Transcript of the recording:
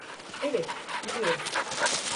Evet, gidiyoruz.